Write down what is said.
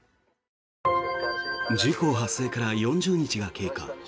事故発生から４０日が経過。